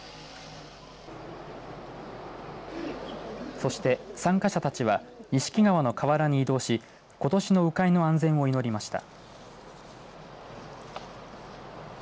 そして参加者たちは錦川の河原に移動しことしの鵜飼いの安全を祈りました。